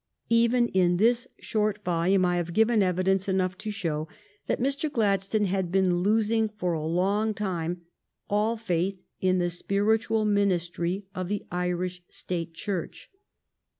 Even in this short volume I have given evidence enough to show that Mr. Gladstone had been losing for a long time all faith in the spiritual ministry of the Irish State Church.